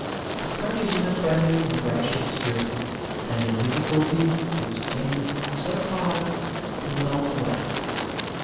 Approach it in a friendly and gracious spirit and the diffi culties which seem so hard will melt away.